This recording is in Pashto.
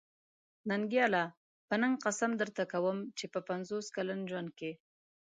ننګياله! په ننګ قسم درته کوم چې په پنځوس کلن ژوند کې.